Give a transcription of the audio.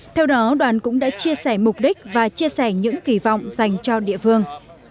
theo đó đoàn cũng đã chia sẻ mục đích và chia sẻ những kỳ vọng dành cho địa phương